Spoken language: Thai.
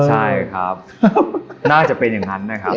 ใช่ครับน่าจะเป็นอย่างนั้นนะครับ